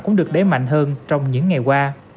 cũng được đế mạnh hơn trong những ngày qua